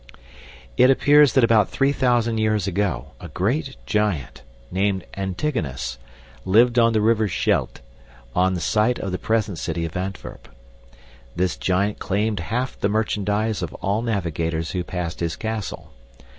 It appears that about three thousand years ago, a great giant, named Antigonus, lived on the river Scheld, on the site of the present city of Antwerp. This giant claimed half the merchandise of all navigators who passed his castle.